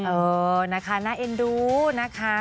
เออนะคะน่าเอ็นดูนะคะ